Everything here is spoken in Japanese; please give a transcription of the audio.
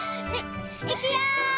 いくよ！